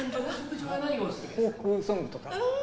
フォークソングとか。